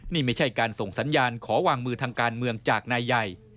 นี่ไม่ใช่การส่งสัญญาณขอวางมือทางการเมืองจากนายใหญ่